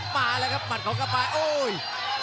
มาละครับหมัดของกำปายโอ้ย